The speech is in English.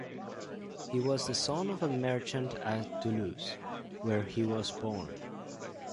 He was the son of a merchant at Toulouse, where he was born.